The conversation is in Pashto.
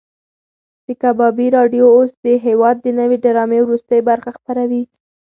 د کبابي راډیو اوس د هېواد د نوې ډرامې وروستۍ برخه خپروي.